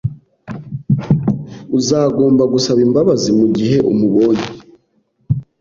Uzagomba gusaba imbabazi mugihe umubonye